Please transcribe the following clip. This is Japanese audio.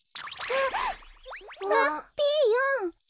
あっピーヨン！